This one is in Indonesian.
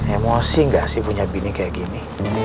emosi gak sih punya bini kayak gini